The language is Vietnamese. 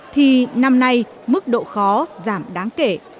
thì năm nay mức độ khó giảm đáng kể